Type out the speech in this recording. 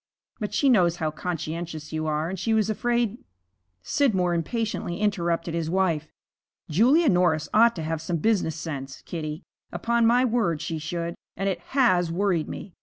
But she knows how conscientious you are, and she was afraid ' Scidmore impatiently interrupted his wife. 'Julia Norris ought to have some business sense, Kitty; upon my word she should. And it has worried me.